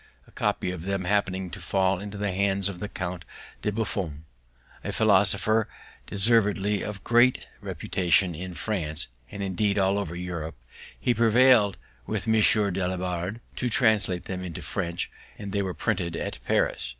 A copy of them happening to fall into the hands of the Count de Buffon, a philosopher deservedly of great reputation in France, and, indeed, all over Europe, he prevailed with M. Dalibard to translate them into French, and they were printed at Paris.